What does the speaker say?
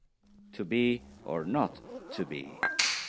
To Be or Not to Be